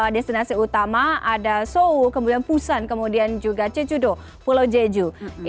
destinasi utama ada seoul kemudian busan kemudian juga jeju do pulau jeju